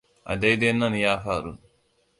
A daidai nan ya faru.